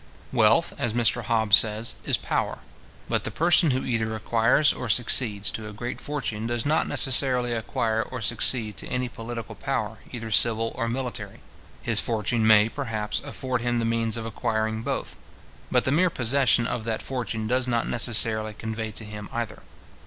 Wealth, as Mr Hobbes says, is power. But the person who either acquires, or succeeds to a great fortune, does not necessarily acquire or succeed to any political power, either civil or military. His fortune may, perhaps, afford him the means of acquiring both; but the mere possession of that fortune does not necessarily convey to him either.